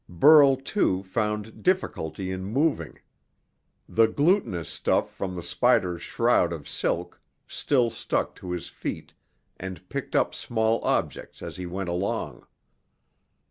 Burl, too found difficulty in moving. The glutinous stuff from the spider's shroud of silk still stuck to his feet and picked up small objects as he went along.